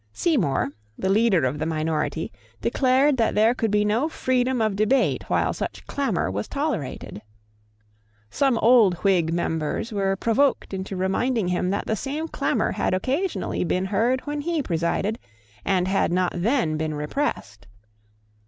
Seymour, the leader of the minority, declared that there could be no freedom of debate while such clamour was tolerated. Some old Whig members were provoked into reminding him that the same clamour had occasionally been heard when he presided, and had not then been repressed.